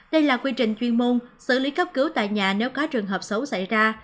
đây là quy trình chuyên môn xử lý cấp cứu tại nhà nếu có trường hợp xấu xảy ra